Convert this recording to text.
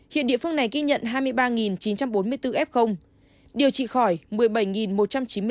hiện địa phương này ghi nhận hai mươi ba chín trăm bốn mươi bốn f điều trị khỏi một mươi bảy một trăm chín mươi ca